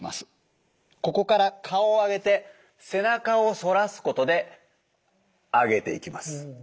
ここから顔をあげて背中を反らすことであげていきます。